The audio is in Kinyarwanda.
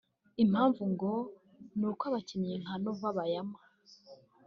Impamvu ngo ni uko abakinnyi nka Nova Bayama